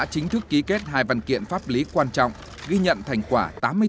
chính thức ký kết hai văn kiện pháp lý quan trọng ghi nhận thành quả tám mươi bốn